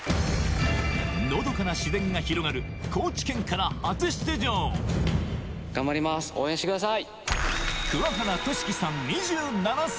のどかな自然が広がる高知県から初出場応援してください！